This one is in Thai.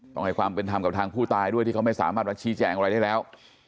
ต้องให้ความเป็นธรรมกับทางผู้ตายด้วยที่เขาไม่สามารถมาชี้แจงอะไรได้แล้ว